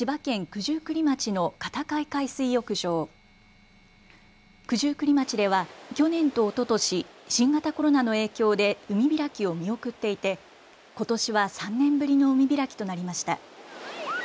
九十九里町では去年とおととし、新型コロナの影響で海開きを見送っていてことしは３年ぶりの海開きとなりました。